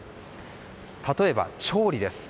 例えば調理です。